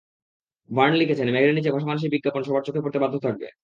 Verne লিখেছেন, মেঘের নিচে ভাসমান সেই বিজ্ঞাপন সবার চোখে পড়তে বাধ্য থাকবে।